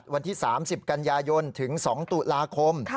วันที่๓๐กันยายนถึง๒ตุลาคม